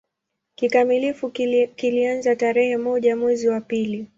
Kikamilifu kilianza tarehe moja mwezi wa pili